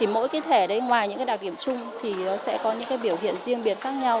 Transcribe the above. mỗi thẻ ngoài những đặc điểm chung sẽ có những biểu hiện riêng biệt khác nhau